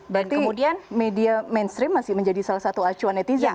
kemudian media mainstream masih menjadi salah satu acuan netizen